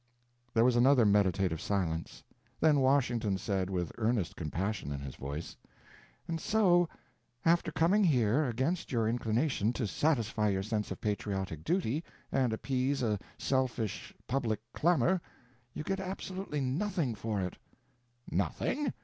There was another meditative silence. Then Washington said, with earnest compassion in his voice— "And so, after coming here, against your inclination, to satisfy your sense of patriotic duty and appease a selfish public clamor, you get absolutely nothing for it." "Nothing?"